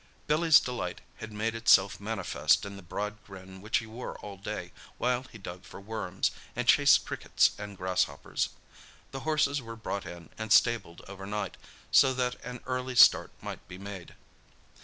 Billy's delight had made itself manifest in the broad grin which he wore all day while he dug for worms, and chased crickets and grass hoppers. The horses were brought in and stabled overnight, so that an early start might be made.